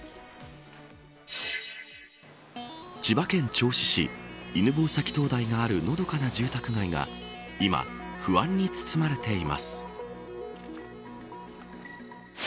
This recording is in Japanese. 千葉県銚子市犬吠埼灯台があるのどかな住宅街が今、不安に包まれています。